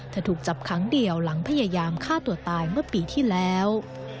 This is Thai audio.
ถูกจับครั้งเดียวหลังพยายามฆ่าตัวตายเมื่อปีที่แล้ว